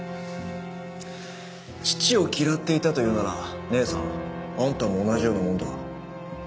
父を嫌っていたというなら姉さんあんたも同じようなもんだ。